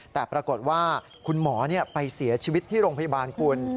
แต่ปรากฏว่าคุณหมอไปเสียชีวิตที่โรงพยาบาลคุณ